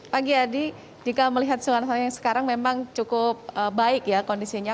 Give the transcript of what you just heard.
pagi adi jika melihat suasana yang sekarang memang cukup baik ya kondisinya